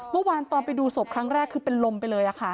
เมื่อวานตอนไปดูศพครั้งแรกคือเป็นลมไปเลยค่ะ